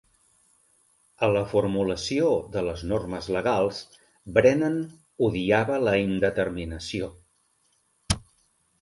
A la formulació de les normes legals, Brennan odiava la indeterminació.